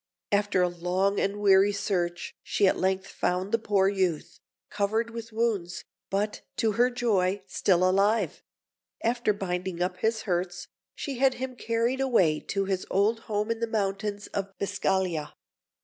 After a long and weary search she at length found the poor youth, covered with wounds, but, to her joy, still alive; and after binding up his hurts, she had him carried away to his old home in the mountains of Biscaglia.